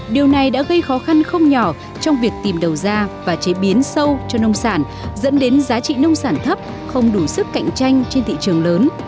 điều này đã gây khó khăn không nhỏ trong việc tìm đầu ra và chế biến sâu cho nông sản dẫn đến giá trị nông sản thấp không đủ sức cạnh tranh trên thị trường lớn